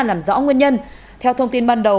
làm rõ nguyên nhân theo thông tin ban đầu